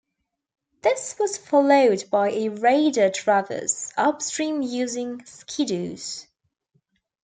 This was followed by a radar traverse upstream using skidoos.